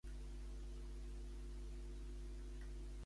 Quina altra app va prohibir Apple?